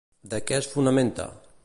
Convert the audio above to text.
De què es fonamenta?